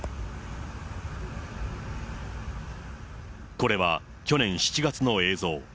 これは去年７月の映像。